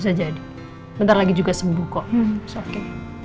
sampai jumpa lagi